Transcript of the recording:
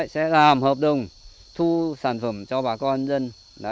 sẽ làm hợp đồng thu sản phẩm cho bà con dân